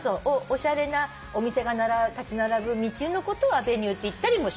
おしゃれなお店が立ち並ぶ道のことをアベニューっていったりもしますし。